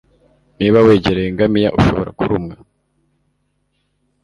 Niba wegereye ingamiya, ushobora kurumwa.